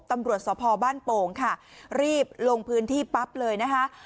ตำรวจสพบ้านโป่งค่ะรีบลงพื้นที่ปั๊บเลยนะคะ